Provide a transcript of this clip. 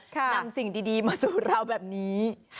นำสิ่งดีมาสู่เราแบบนี้